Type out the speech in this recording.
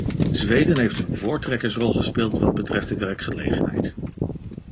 Zweden heeft een voortrekkersrol gespeeld wat betreft de werkgelegenheid.